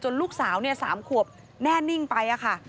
จนลูกสาวนี่๓ควบแน่นิ่งไปอะค่ะ